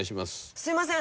すみません。